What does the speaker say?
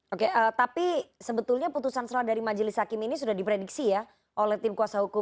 oke tapi sebetulnya putusan serah dari majelis hakim ini sudah diprediksi ya oleh tim kuasa hukum